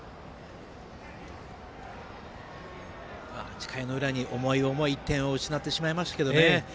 ８回の裏に重い１点を失ってしまいましたけどね。